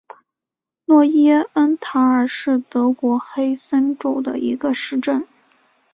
诺伊恩塔尔是德国黑森州的一个市镇。